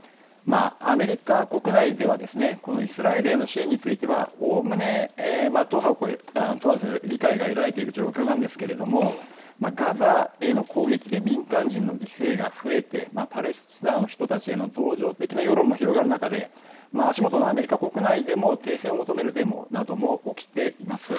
アメリカ国内ではイスラエルへの支援については、おおむね党派を問わず理解を得られている状況なんですがガザへの攻撃で民間人の犠牲が増えてパレスチナの人たちへの同情的な世論も広がる中で足元のアメリカ国内でも停戦を求めるデモなども起きています。